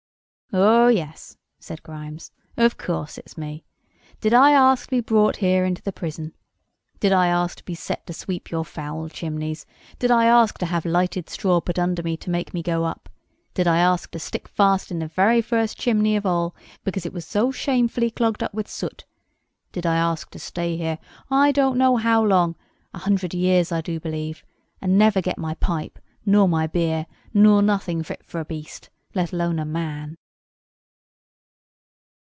"Oh, yes," said Grimes, "of course it's me. Did I ask to be brought here into the prison? Did I ask to be set to sweep your foul chimneys? Did I ask to have lighted straw put under me to make me go up? Did I ask to stick fast in the very first chimney of all, because it was so shamefully clogged up with soot? Did I ask to stay here—I don't know how long—a hundred years, I do believe, and never get my pipe, nor my beer, nor nothing fit for a beast, let alone a man?"